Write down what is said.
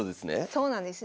そうなんです。